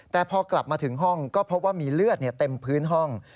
แต่พอกลับมาถึงห้องก็พบว่ามีเลือดเต็มพื้นห้อง